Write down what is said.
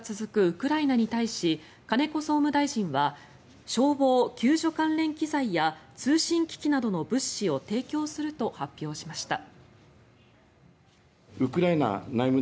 ウクライナに対し金子総務大臣は消防・救助関連機材や通信機器などの物資を提供すると発表しました。